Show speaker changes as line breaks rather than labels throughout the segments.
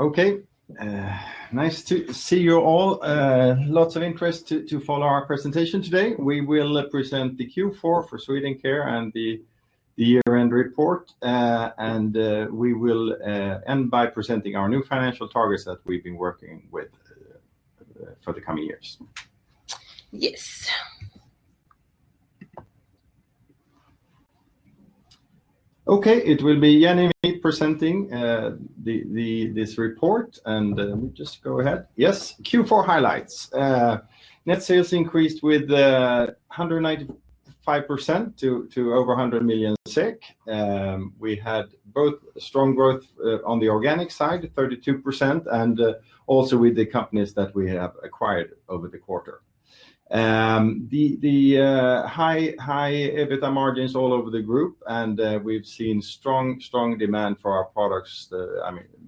Okay. Nice to see you all. Lots of interest to follow our presentation today. We will present the Q4 for Swedencare and the year-end report. We will end by presenting our new financial targets that we've been working with for the coming years.
Yes.
Okay, it will be Jenny presenting this report. Let me just go ahead. Yes, Q4 highlights. Net sales increased with 195% to over 100 million. We had both strong growth on the organic side, 32%. Also with the companies that we have acquired over the quarter. The high EBITDA margins all over the group. We've seen strong demand for our products,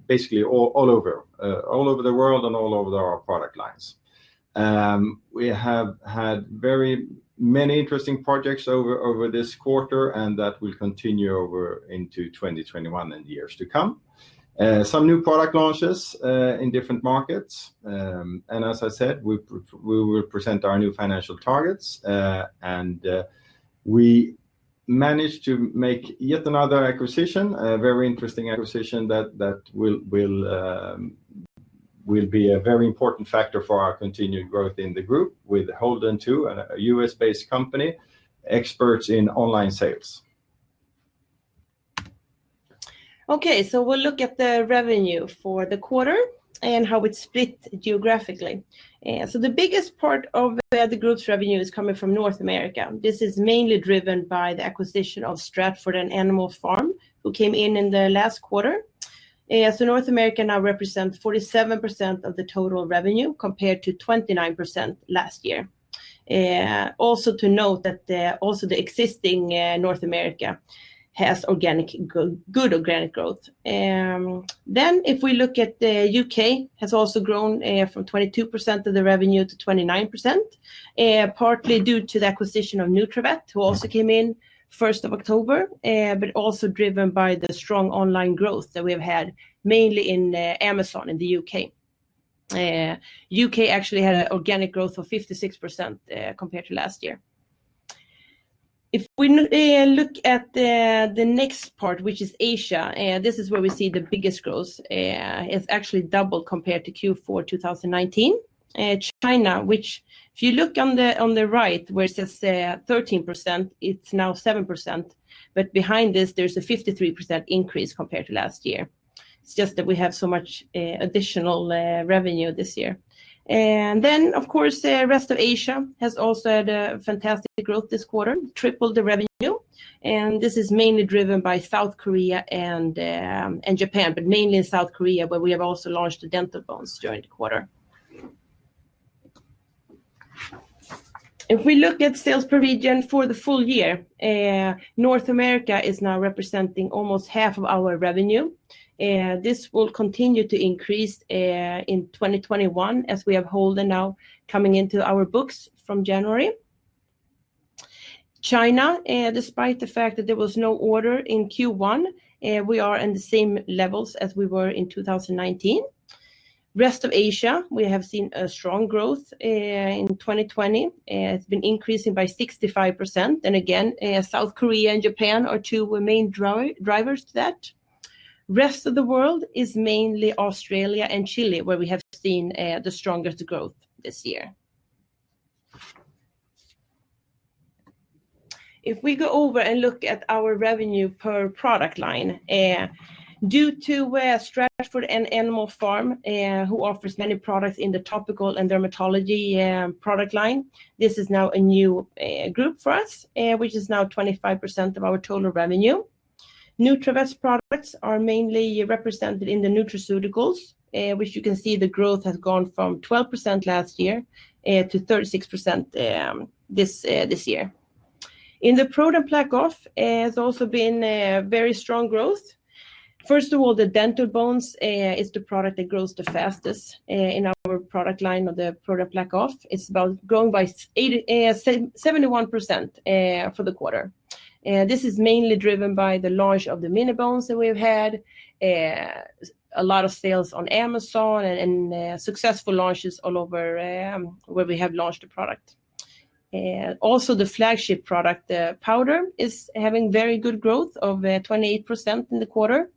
basically all over the world and all over our product lines. We have had very many interesting projects over this quarter. That will continue over into 2021 and years to come. Some new product launches in different markets. As I said, we will present our new financial targets. We managed to make yet another acquisition, a very interesting acquisition that will be a very important factor for our continued growth in the group with Holden2, a U.S. based company, experts in online sales.
We'll look at the revenue for the quarter and how it's split geographically. The biggest part of the group's revenue is coming from North America. This is mainly driven by the acquisition of Stratford and Animal Pharmaceuticals, who came in in the last quarter. North America now represents 47% of the total revenue, compared to 29% last year. Also to note that also the existing North America has good organic growth. If we look at the U.K., has also grown from 22% of the revenue to 29%, partly due to the acquisition of Nutravet, who also came in 1st of October, but also driven by the strong online growth that we've had, mainly in Amazon in the U.K. U.K. actually had an organic growth of 56% compared to last year. If we look at the next part, which is Asia, this is where we see the biggest growth. It's actually double compared to Q4 2019. China, which if you look on the right where it says 13%, it's now 7%, but behind this, there's a 53% increase compared to last year. It's just that we have so much additional revenue this year. Of course, the rest of Asia has also had a fantastic growth this quarter, tripled the revenue. This is mainly driven by South Korea and Japan, but mainly in South Korea, where we have also launched the Dental Bones during the quarter. If we look at sales per region for the full year, North America is now representing almost half of our revenue. This will continue to increase in 2021 as we have Holden now coming into our books from January. China, despite the fact that there was no order in Q1, we are in the same levels as we were in 2019. Rest of Asia, we have seen a strong growth in 2020. It's been increasing by 65%, and again, South Korea and Japan are two main drivers to that. Rest of the world is mainly Australia and Chile, where we have seen the strongest growth this year. If we go over and look at our revenue per product line, due to Stratford and Animal Pharmaceuticals, who offers many products in the topical and dermatology product line, this is now a new group for us, which is now 25% of our total revenue. Nutravet's products are mainly represented in the nutraceuticals, which you can see the growth has gone from 12% last year to 36% this year. In the ProDen PlaqueOff has also been very strong growth. First of all, the Dental Bones is the product that grows the fastest in our product line of the ProDen PlaqueOff. It's about growing by 71% for the quarter. This is mainly driven by the launch of the Mini Bones that we've had, a lot of sales on Amazon, and successful launches all over where we have launched the product. Also, the flagship product, Powder, is having very good growth of 28% in the quarter.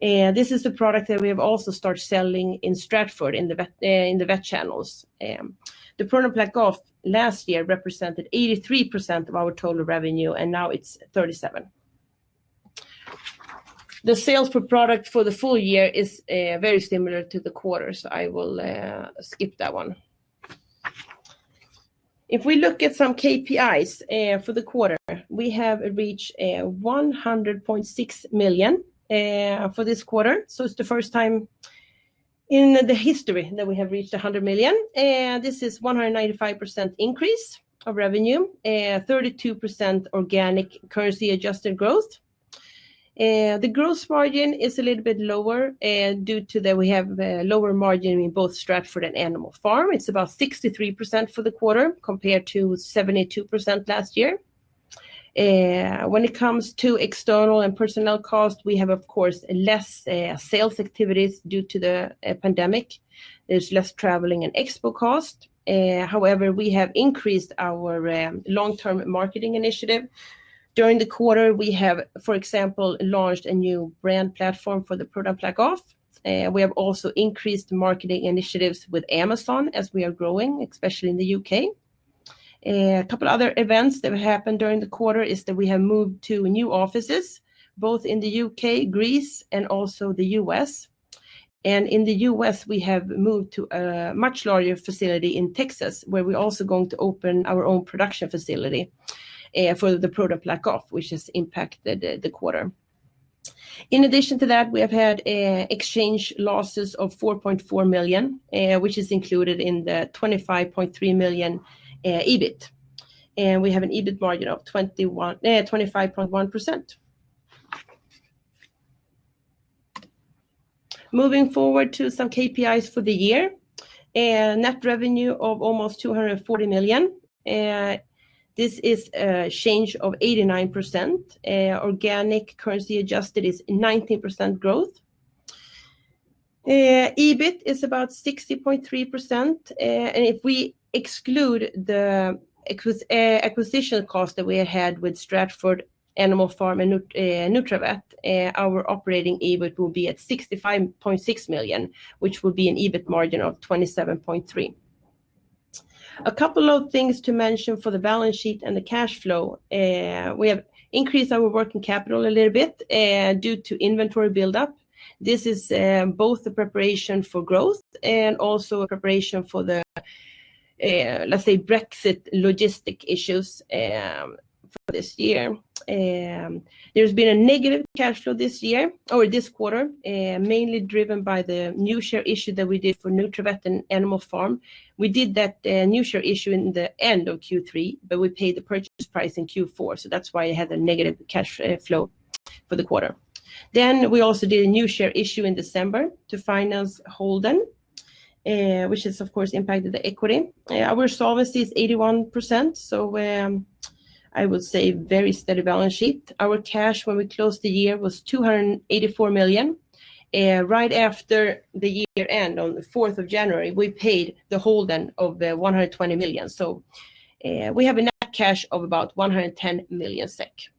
This is the product that we have also started selling in Stratford in the vet channels. The ProDen PlaqueOff last year represented 83% of our total revenue, and now it's 37%. The sales per product for the full year is very similar to the quarter, so I will skip that one. If we look at some KPIs for the quarter, we have reached 100.6 million for this quarter. It's the first time in the history that we have reached 100 million. This is 195% increase of revenue, 32% organic currency-adjusted growth. The growth margin is a little bit lower due to that we have a lower margin in both Stratford and Animal Pharmaceuticals. It's about 63% for the quarter, compared to 72% last year. When it comes to external and personnel costs, we have, of course, less sales activities due to the pandemic. There's less traveling and expo cost. However, we have increased our long-term marketing initiative. During the quarter, we have, for example, launched a new brand platform for the product PlaqueOff. We have also increased marketing initiatives with Amazon as we are growing, especially in the U.K. A couple of other events that have happened during the quarter is that we have moved to new offices, both in the U.K., Greece, and also the U.S. In the U.S., we have moved to a much larger facility in Texas, where we're also going to open our own production facility for the product PlaqueOff, which has impacted the quarter. In addition to that, we have had exchange losses of 4.4 million, which is included in the 25.3 million EBIT. We have an EBIT margin of 25.1%. Moving forward to some KPIs for the year. Net revenue of almost 240 million. This is a change of 89%. Organic currency adjusted is 19% growth. EBIT is about 60.3%, and if we exclude the acquisition cost that we had with Stratford, Animal Pharmaceuticals, and Nutravet, our operating EBIT will be at 65.6 million, which will be an EBIT margin of 27.3%. A couple of things to mention for the balance sheet and the cash flow. We have increased our working capital a little bit due to inventory build-up. This is both the preparation for growth and also a preparation for the, let's say, Brexit logistic issues for this year. There's been a negative cash flow this quarter, mainly driven by the new share issue that we did for Nutravet and Animal Pharmaceuticals. We did that new share issue in the end of Q3, but we paid the purchase price in Q4, so that's why it had a negative cash flow for the quarter. We also did a new share issue in December to finance Holden2 LLC, which has, of course, impacted the equity. Our solvency is 81%, so I would say very steady balance sheet. Our cash when we closed the year was 284 million. Right after the year-end, on the 4th of January, we paid the Holden of the 120 million, so we have a net cash of about 110 million SEK.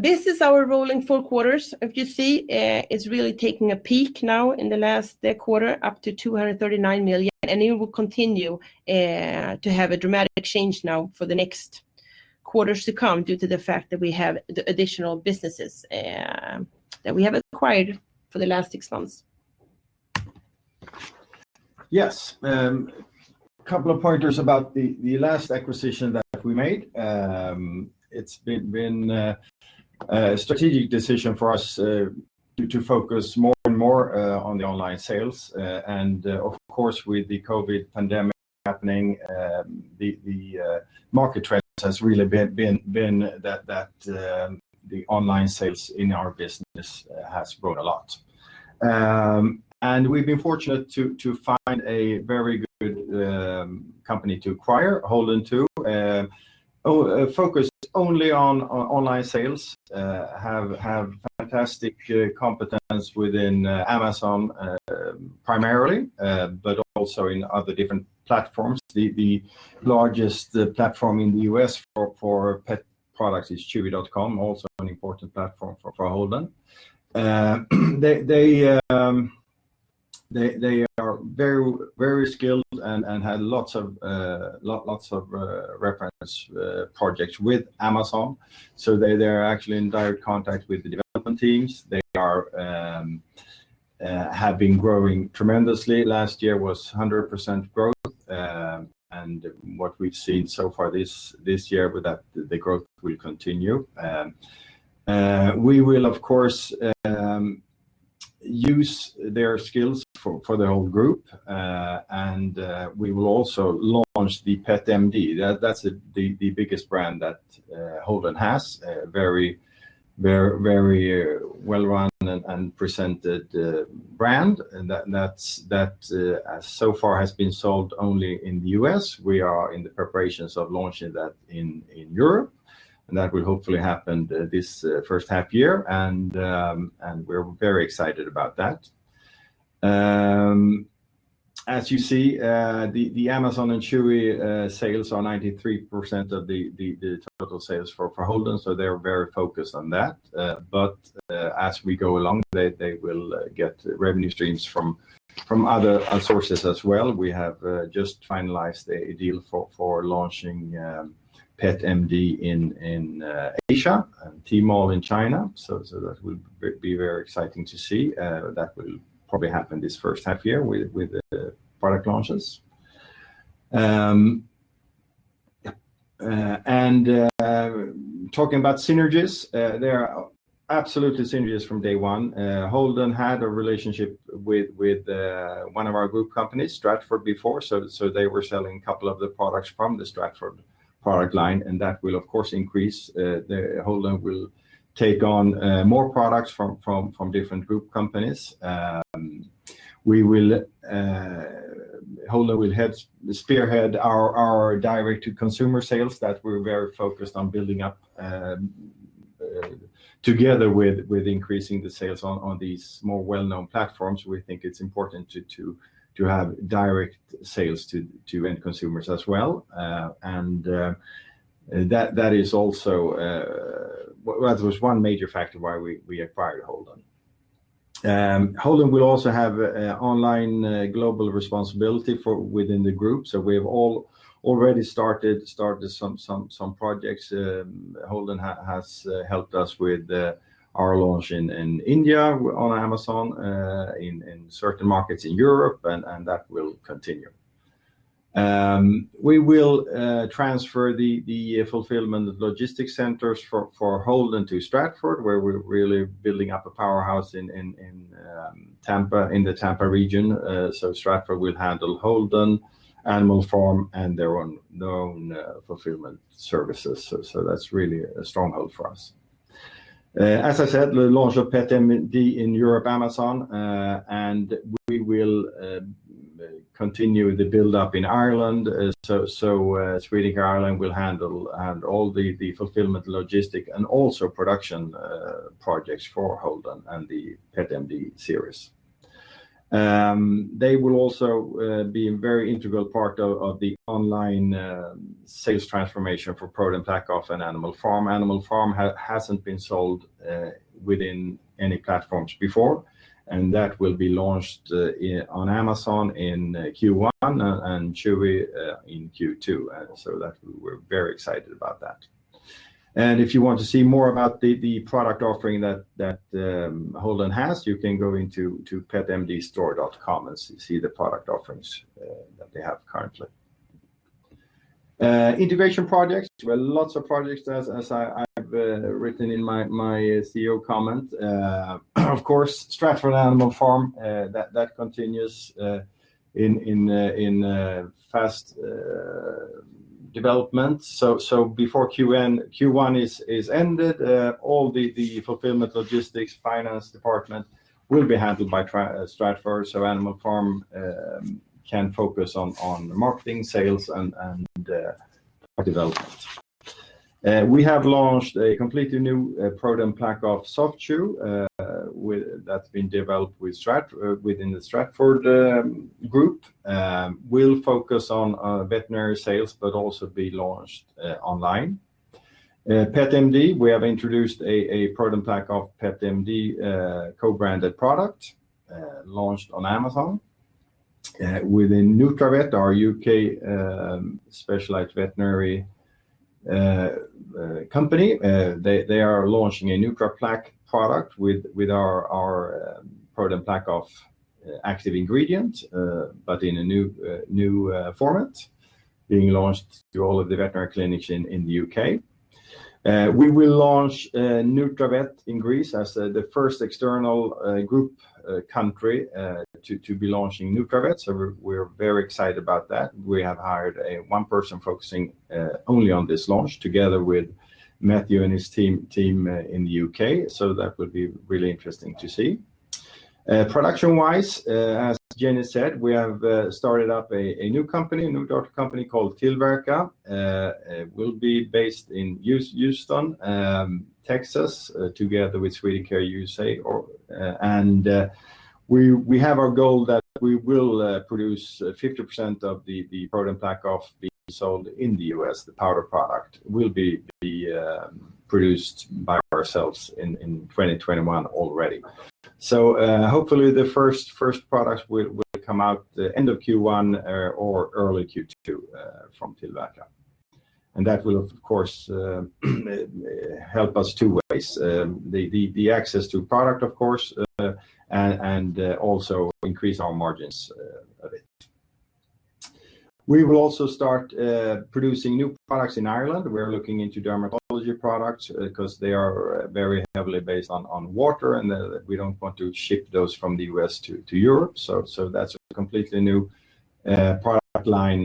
This is our rolling four quarters. If you see, it's really taking a peak now in the last quarter, up to 239 million, and it will continue to have a dramatic change now for the next quarters to come due to the fact that we have the additional businesses that we have acquired for the last six months.
Yes. A couple of pointers about the last acquisition that we made. It's been a strategic decision for us due to focus more and more on the online sales. Of course, with the COVID pandemic happening, the market trend has really been that the online sales in our business has grown a lot. We've been fortunate to find a very good company to acquire, Holden2. Focused only on online sales, have fantastic competence within Amazon primarily, but also in other different platforms. The largest platform in the U.S. for pet products is Chewy.com, also an important platform for Holden. They are very skilled and have lots of reference projects with Amazon, so they are actually in direct contact with the development teams. They have been growing tremendously. Last year was 100% growth, and what we've seen so far this year, the growth will continue. We will, of course, use their skills for the whole group. We will also launch the PetMD. That's the biggest brand that Holden has. A very well-run and presented brand. That so far has been sold only in the U.S. We are in the preparations of launching that in Europe. That will hopefully happen this first half year. We're very excited about that. As you see, the Amazon and Chewy sales are 93% of the total sales for Holden. They're very focused on that. As we go along, they will get revenue streams from other sources as well. We have just finalized a deal for launching PetMD in Asia and Tmall in China. That will be very exciting to see. That will probably happen this first half year with the product launches. Talking about synergies, they are absolutely synergies from day one. Holden had a relationship with one of our group companies, Stratford, before, so they were selling a couple of the products from the Stratford product line, and that will, of course, increase. Holden will take on more products from different group companies. Holden will spearhead our direct-to-consumer sales that we're very focused on building up together with increasing the sales on these more well-known platforms. We think it's important to have direct sales to end consumers as well, and that was one major factor why we acquired Holden. Holden will also have online global responsibility within the group. We have already started some projects. Holden has helped us with our launch in India on Amazon, in certain markets in Europe, and that will continue. We will transfer the fulfillment logistics centers for Holden to Stratford, where we're really building up a powerhouse in the Tampa region. Stratford will handle Holden, Animal Pharmaceuticals, and their own fulfillment services. That's really a stronghold for us. As I said, the launch of PetMD in Europe Amazon, and we will continue the buildup in Ireland. Swedencare Ireland will handle all the fulfillment, logistic, and also production projects for Holden and the PetMD series. They will also be a very integral part of the online sales transformation for ProDen PlaqueOff and Animal Pharmaceuticals. Animal Pharmaceuticals hasn't been sold within any platforms before, that will be launched on Amazon in Q1 and Chewy in Q2, we're very excited about that. If you want to see more about the product offering that Holden has, you can go into petmdstore.com and see the product offerings that they have currently. Integration projects. Lots of projects as I've written in my CEO comment. Of course, Stratford, Animal Pharmaceuticals, that continues in fast development. Before Q1 is ended, all the fulfillment, logistics, finance department will be handled by Stratford, so Animal Pharmaceuticals can focus on marketing, sales, and product development. We have launched a completely new ProDen PlaqueOff Soft Chew that's been developed within the Stratford group. We'll focus on veterinary sales, also be launched online. PetMD, we have introduced a ProDen PlaqueOff PetMD co-branded product launched on Amazon within Nutravet, our U.K. specialized veterinary company. They are launching a NutraPlaq product with our ProDen PlaqueOff active ingredient, but in a new format being launched through all of the veterinary clinics in the U.K. We will launch Nutravet in Greece as the first external group country to be launching Nutravet, so we're very excited about that. We have hired one person focusing only on this launch together with Matthew and his team in the U.K. That will be really interesting to see. Production-wise, as Jenny said, we have started up a new company, a new daughter company called Tillverka. It will be based in Houston, Texas, together with Swedencare USA. We have our goal that we will produce 50% of the ProDen PlaqueOff being sold in the U.S. The powder product will be produced by ourselves in 2021 already. Hopefully the first products will come out the end of Q1 or early Q2 from Tillverka. That will, of course, help us two ways. The access to product, of course, and also increase our margins a bit. We will also start producing new products in Ireland. We're looking into dermatology products because they are very heavily based on water, and we don't want to ship those from the U.S. to Europe. That's a completely new product line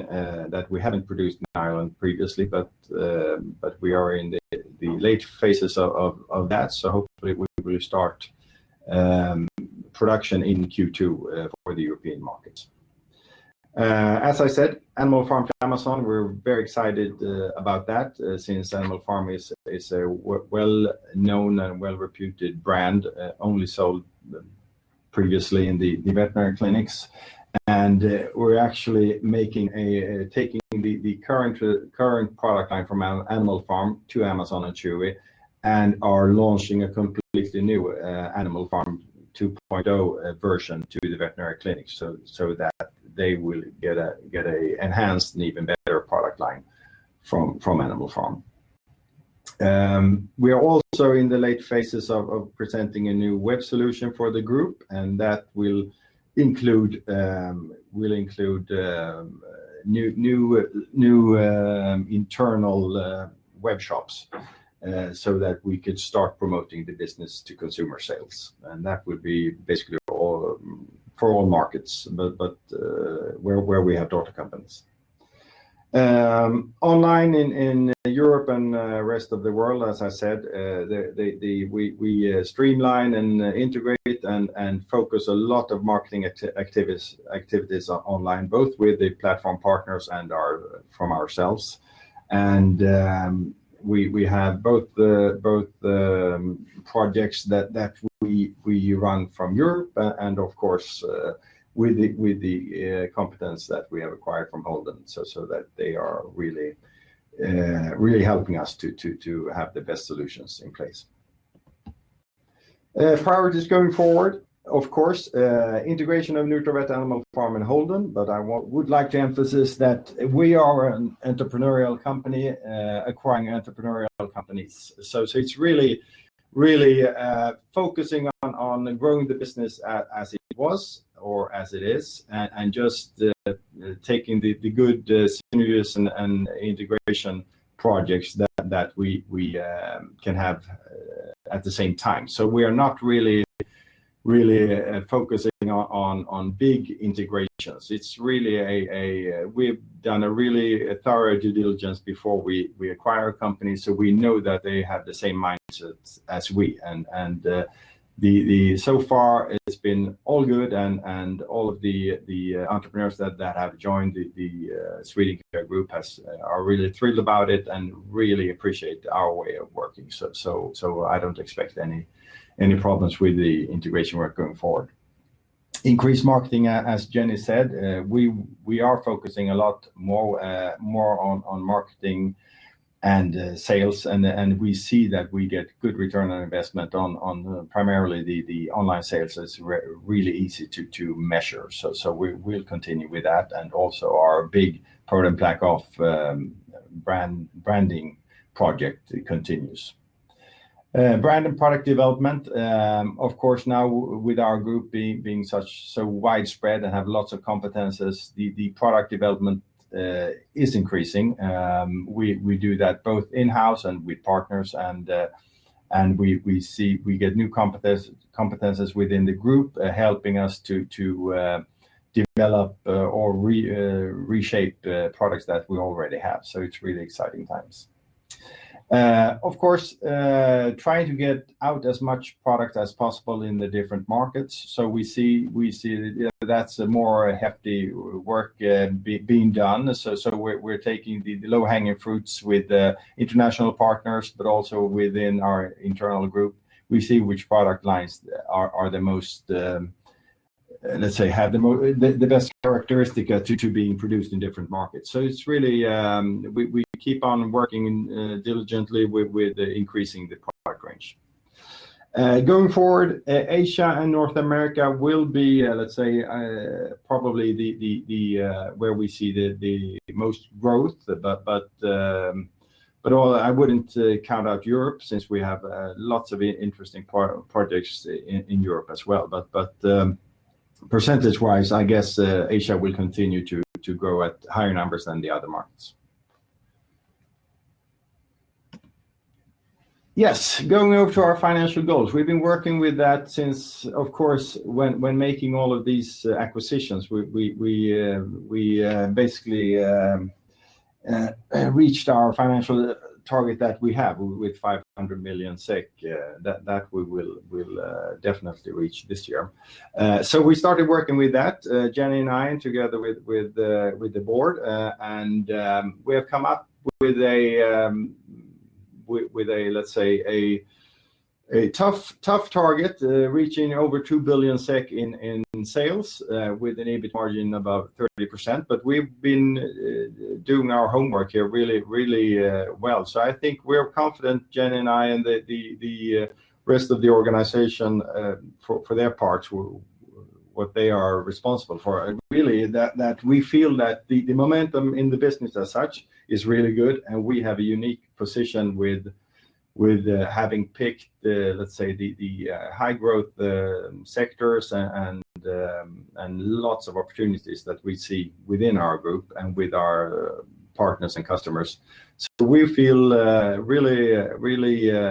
that we haven't produced in Ireland previously, but we are in the late phases of that, so hopefully we will start production in Q2 for the European markets. As I said, Animal Pharmaceuticals to Amazon, we're very excited about that since Animal Pharmaceuticals is a well-known and well-reputed brand, only sold previously in the veterinary clinics. We're actually taking the current product line from Animal Pharmaceuticals to Amazon and Chewy and are launching a completely new Animal Pharmaceuticals 2.0 version to the veterinary clinic so that they will get an enhanced and even better product line from Animal Pharmaceuticals. We are also in the late phases of presenting a new web solution for the group, and that will include new internal web shops so that we could start promoting the direct-to-consumer sales, and that would be basically for all markets, but where we have daughter companies. Online in Europe and rest of the world, as I said, we streamline and integrate and focus a lot of marketing activities online, both with the platform partners and from ourselves. We have both the projects that we run from Europe and, of course, with the competence that we have acquired from Holden, so that they are really helping us to have the best solutions in place. Priorities going forward, of course, integration of Nutravet, Animal Pharmaceuticals and Holden, but I would like to emphasize that we are an entrepreneurial company acquiring entrepreneurial companies. It's really focusing on growing the business as it was or as it is and just taking the good synergies and integration projects that we can have at the same time. We are not really focusing on big integrations. We've done a really thorough due diligence before we acquire companies, so we know that they have the same mindsets as we. So far, it's been all good, and all of the entrepreneurs that have joined the Swedencare group are really thrilled about it and really appreciate our way of working. I don't expect any problems with the integration work going forward. Increased marketing, as Jenny said. We are focusing a lot more on marketing and sales, and we see that we get good return on investment on primarily the online sales. It's really easy to measure. We'll continue with that, and also our big product PlaqueOff branding project continues. Brand and product development. Of course, now with our group being so widespread and have lots of competences, the product development is increasing. We do that both in-house and with partners, and we get new competences within the group, helping us to develop or reshape products that we already have. It's really exciting times. Of course, trying to get out as much product as possible in the different markets. We see that's more hefty work being done. We're taking the low-hanging fruits with international partners, but also within our internal group. We see which product lines, let's say, have the best characteristic to being produced in different markets. We keep on working diligently with increasing the product range. Going forward, Asia and North America will be, let's say, probably where we see the most growth. I wouldn't count out Europe since we have lots of interesting projects in Europe as well. Percentage-wise, I guess Asia will continue to grow at higher numbers than the other markets. Yes, going over to our financial goals. We've been working with that since, of course, when making all of these acquisitions. We basically reached our financial target that we have with 500 million SEK. That we will definitely reach this year. We started working with that, Jenny and I, together with the board, and we have come up with, let's say, a tough target, reaching over 2 billion SEK in sales, with an EBIT margin above 30%. We've been doing our homework here really well. I think we're confident, Jenny and I, and the rest of the organization for their parts, what they are responsible for. Really, we feel that the momentum in the business as such is really good, and we have a unique position with having picked, let's say, the high-growth sectors and lots of opportunities that we see within our group and with our partners and customers. We feel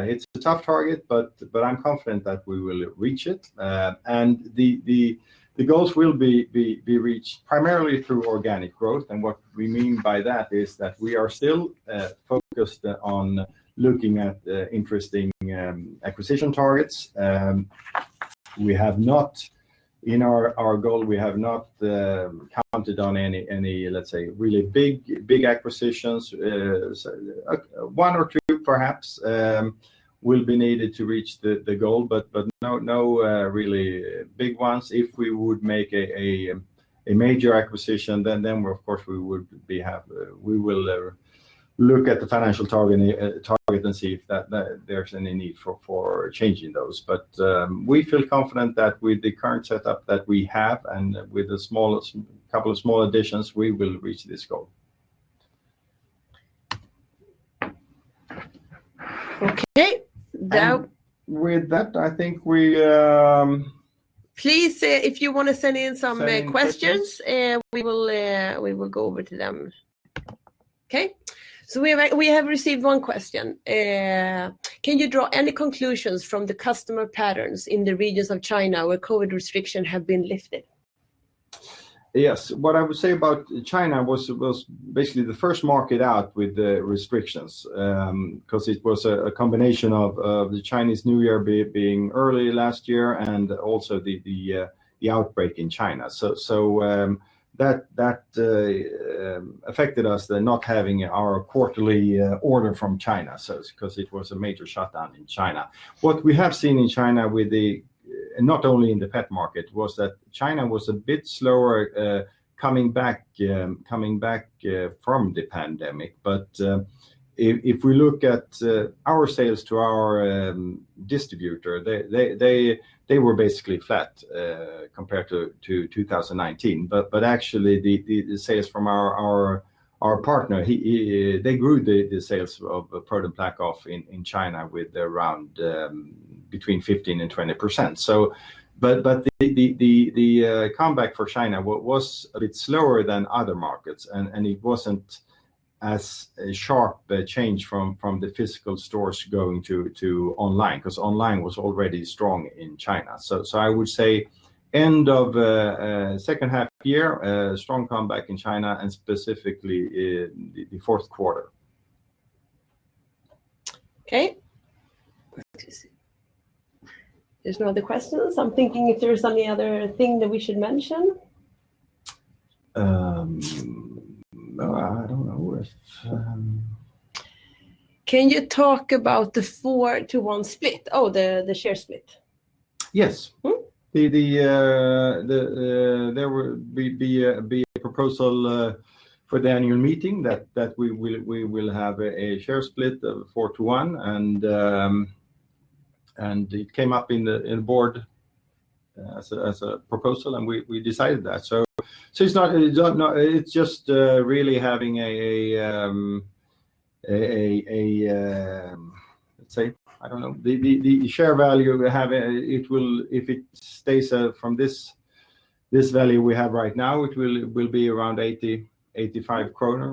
it's a tough target, but I'm confident that we will reach it. The goals will be reached primarily through organic growth, and what we mean by that is that we are still focused on looking at interesting acquisition targets. In our goal, we have not counted on any, let's say, really big acquisitions. One or two perhaps will be needed to reach the goal, but no really big ones. If we would make a major acquisition, of course, we will look at the financial target and see if there's any need for changing those. We feel confident that with the current setup that we have and with a couple of small additions, we will reach this goal.
Okay.
With that, I think.
Please, if you want to send in some questions. we will go over to them. Okay, we have received one question. Can you draw any conclusions from the customer patterns in the regions of China where COVID restriction have been lifted?
Yes. What I would say about China was basically the first market out with the restrictions, because it was a combination of the Chinese New Year being early last year and also the outbreak in China. That affected us, not having our quarterly order from China, because it was a major shutdown in China. What we have seen in China, not only in the pet market, was that China was a bit slower coming back from the pandemic. If we look at our sales to our distributor, they were basically flat compared to 2019. Actually, the sales from our partner, they grew the sales of ProDen PlaqueOff in China with around between 15% and 20%. The comeback for China was a bit slower than other markets, and it wasn't as sharp a change from the physical stores going to online, because online was already strong in China. I would say end of second half year, strong comeback in China and specifically in the fourth quarter.
Okay. There's no other questions. I'm thinking if there's any other thing that we should mention.
No, I don't know.
Can you talk about the 4:1 split? Oh, the share split.
Yes. There will be a proposal for the annual meeting that we will have a share split of 4:1. It came up in the board as a proposal. We decided that. It's just really having, let's say, I don't know, the share value if it stays from this value we have right now, it will be around 80-85 kronor.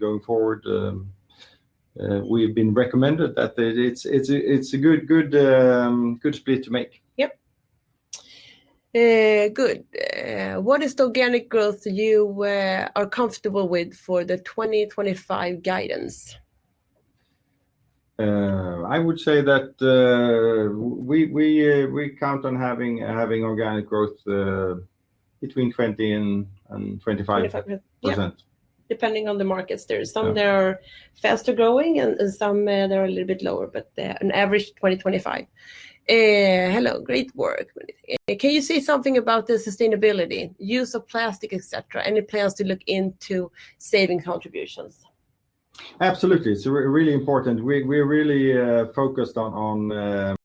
Going forward, we've been recommended that it's a good split to make.
Yep. Good. What is the organic growth you are comfortable with for the 2025 guidance?
I would say that we count on having organic growth between 20% and 25%.
25%. Depending on the markets. There are some that are faster-growing, and some that are a little bit lower, but an average 20%, 25%. Hello. Great work. Can you say something about the sustainability, use of plastic, et cetera? Any plans to look into saving contributions?
Absolutely. It's really important. We're really focused on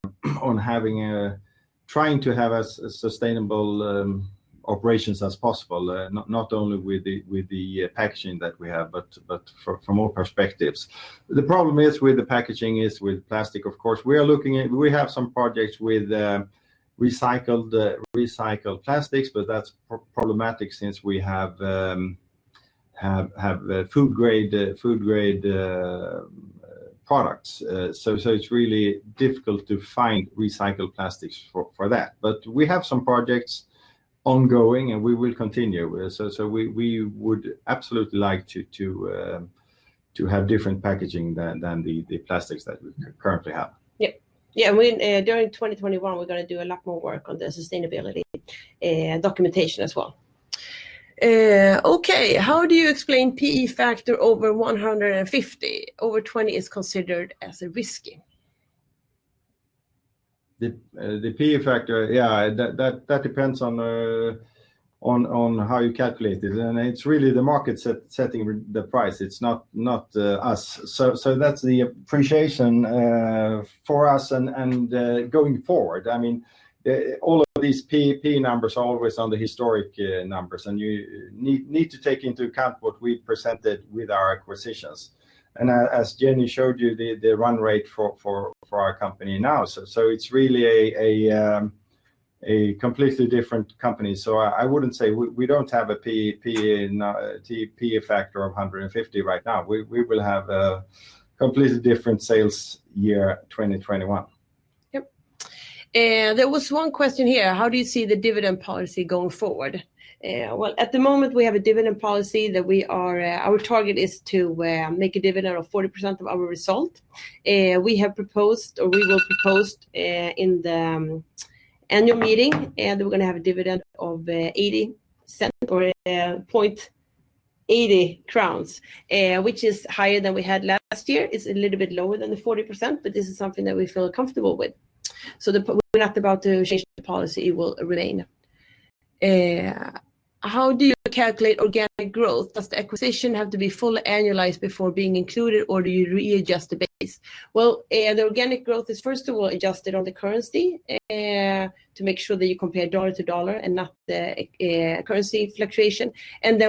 trying to have as sustainable operations as possible. Not only with the packaging that we have, but from all perspectives. The problem is with the packaging is with plastic, of course. We have some projects with recycled plastics, but that's problematic since we have food-grade products. It's really difficult to find recycled plastics for that. We have some projects ongoing, and we will continue. We would absolutely like to have different packaging than the plastics that we currently have.
Yeah, during 2021, we're going to do a lot more work on the sustainability documentation as well. How do you explain P/E factor over 150x? Over 20x is considered as a risky.
The P/E factor, yeah, that depends on how you calculate it, and it's really the market setting the price. It's not us. That's the appreciation for us and going forward, all of these P/E numbers are always on the historic numbers, and you need to take into account what we presented with our acquisitions. As Jenny showed you, the run rate for our company now, it's really a completely different company. I wouldn't say we don't have a P/E factor of 150x right now. We will have a completely different sales year 2021.
Yep. There was one question here, how do you see the dividend policy going forward? At the moment, we have a dividend policy that our target is to make a dividend of 40% of our result. We have proposed, or we will propose in the annual meeting, we're going to have a dividend of [$0.80] or 0.80 crowns, which is higher than we had last year. It's a little bit lower than the 40%, this is something that we feel comfortable with. We're not about to change the policy, it will remain. How do you calculate organic growth? Does the acquisition have to be fully annualized before being included, or do you readjust the base? The organic growth is, first of all, adjusted on the currency to make sure that you compare dollar to dollar and not the currency fluctuation.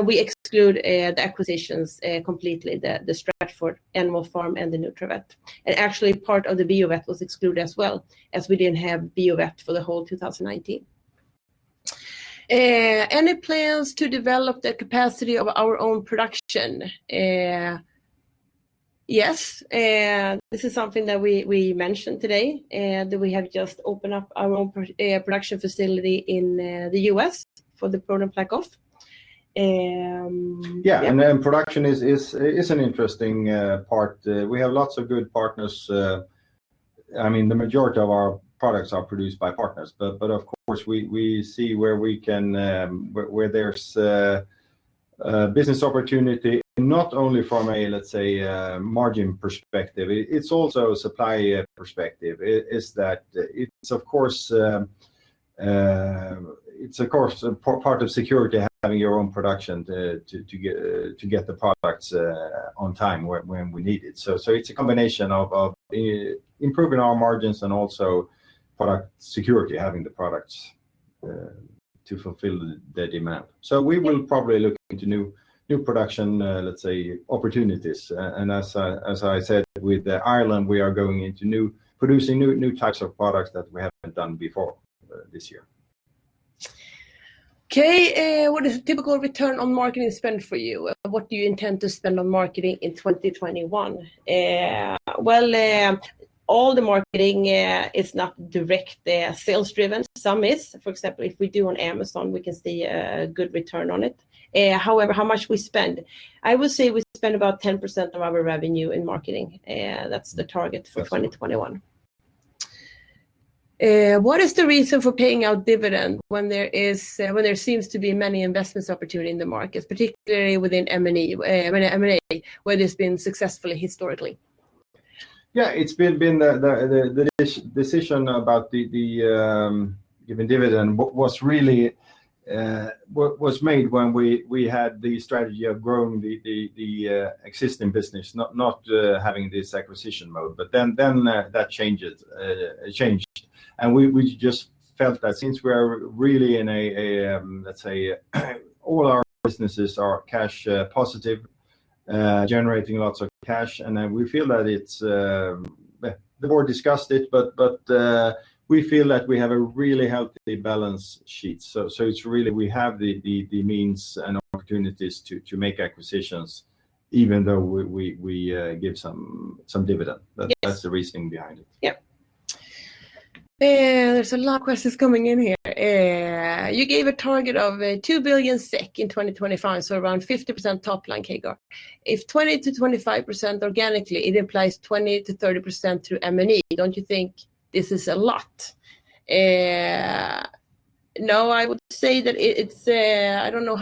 We exclude the acquisitions completely, the Stratford, Animal Pharmaceuticals, and the Nutravet. Actually, part of the Biovet was excluded as well, as we didn't have Biovet for the whole 2019. Any plans to develop the capacity of our own production? Yes. This is something that we mentioned today, that we have just opened up our own production facility in the U.S. for the ProDen PlaqueOff.
Production is an interesting part. We have lots of good partners. The majority of our products are produced by partners, but of course, we see where there's business opportunity, not only from a, let's say, margin perspective, it's also a supply perspective. It's of course part of security, having your own production to get the products on time when we need it. So it's a combination of improving our margins and also product security, having the products to fulfill the demand. We will probably look into new production, let's say, opportunities. As I said, with Ireland, we are producing new types of products that we haven't done before this year.
Okay. What is a typical return on marketing spend for you? What do you intend to spend on marketing in 2021? Well, all the marketing is not directly sales-driven. Some is. For example, if we do on Amazon, we can see a good return on it. However, how much we spend, I would say we spend about 10% of our revenue in marketing. That's the target for 2021. What is the reason for paying out dividend when there seems to be many investments opportunity in the market, particularly within M&A, where it's been successful historically?
The decision about giving dividend was made when we had the strategy of growing the existing business, not having this acquisition mode. That changed, and we just felt that since all our businesses are cash positive, generating lots of cash, and the board discussed it, but we feel that we have a really healthy balance sheet. Really, we have the means and opportunities to make acquisitions even though we give some dividend. That's the reasoning behind it.
There's a lot of questions coming in here. You gave a target of 2 billion SEK in 2025, so around 50% top-line CAGR. If 20%-25% organically, it implies 20%-30% through M&A. Don't you think this is a lot? I don't know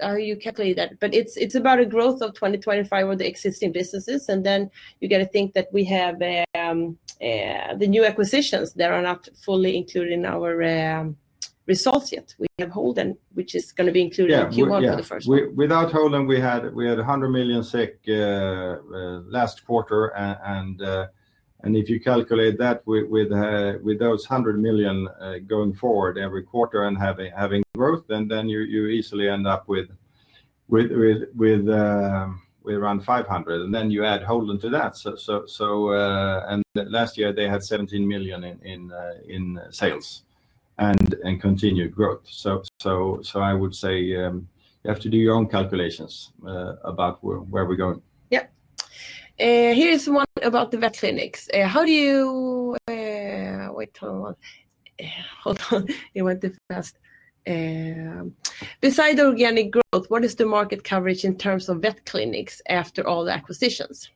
how you calculate that, but it's about a growth of 20, 25 of the existing businesses, and then you got to think that we have the new acquisitions that are not fully included in our results yet. We have Holden, which is going to be included in Q1 for the first time.
Without Holden, we had 100 million last quarter. If you calculate that with those 100 million going forward every quarter and having growth, then you easily end up with around 500 million, and then you add Holden to that. Last year they had 17 million in sales and continued growth. I would say you have to do your own calculations about where we're going.
Yep. Here's one about the vet clinics. Hold on. It went too fast. Beside organic growth, what is the market coverage in terms of vet clinics after all the acquisitions?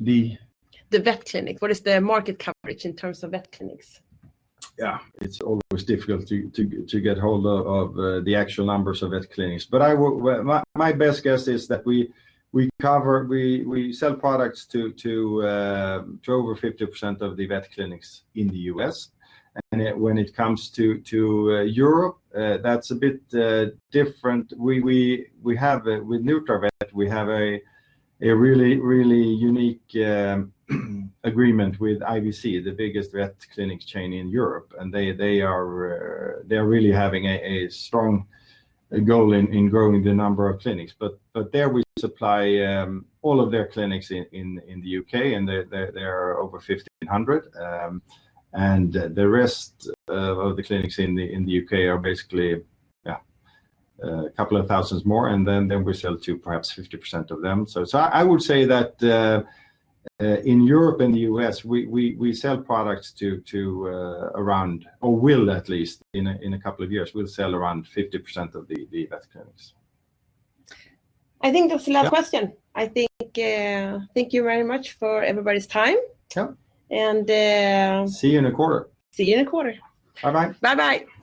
The?
The vet clinic, what is the market coverage in terms of vet clinics?
Yeah. It's always difficult to get hold of the actual numbers of vet clinics. My best guess is that we sell products to over 50% of the vet clinics in the U.S. When it comes to Europe, that's a bit different. With Nutravet, we have a really unique agreement with IVC, the biggest vet clinic chain in Europe, and they are really having a strong goal in growing the number of clinics. There we supply all of their clinics in the U.K., and there are over 1,500. The rest of the clinics in the U.K. are basically a couple of thousands more, and then we sell to perhaps 50% of them. I would say that in Europe and the U.S., we sell products to around, or will at least in a couple of years, we'll sell around 50% of the vet clinics.
I think that's the last question. Thank you very much for everybody's time and-
See you in a quarter.
See you in a quarter.
Bye-bye.
Bye-bye.